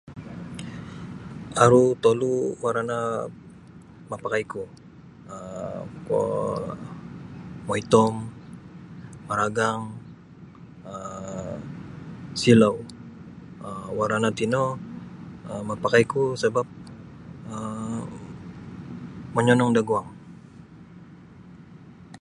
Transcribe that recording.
Aru tolu warana' mapakaiku um kuo moitom maragang um silau um warana' tino mapakaiku sabap um manyanong daguang.